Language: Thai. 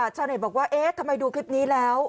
ชาวเน็ตบอกว่าเอ๊ะทำไมดูคลิปนี้แล้ว